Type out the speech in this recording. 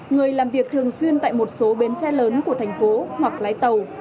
người làm việc thường xuyên tại một số bến xe lớn của thành phố hoặc lái tàu